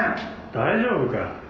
大丈夫か？